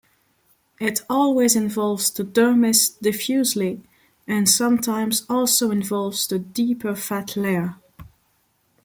It always involves the dermis diffusely, and sometimes also involves the deeper fat layer.